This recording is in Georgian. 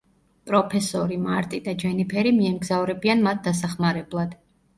პროფესორი, მარტი და ჯენიფერი მიემგზავრებიან მათ დასახმარებლად.